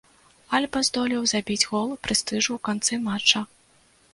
Альба здолеў забіць гол прэстыжу ў канцы матча.